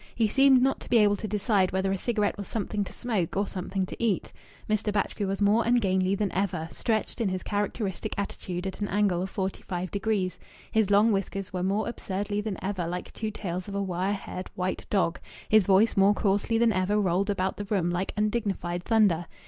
He seemed not to be able to decide whether a cigarette was something to smoke or something to eat. Mr. Batchgrew was more ungainly than ever, stretched in his characteristic attitude at an angle of forty five degrees; his long whiskers were more absurdly than ever like two tails of a wire haired white dog; his voice more coarsely than ever rolled about the room like undignified thunder.